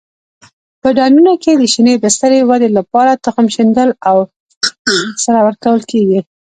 په ډنډونو کې د شینې بسترې ودې لپاره تخم شیندل او سره ورکول کېږي.